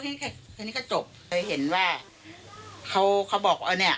แค่แค่นี้ก็จบเคยเห็นว่าเขาเขาบอกอันนี้อ่ะ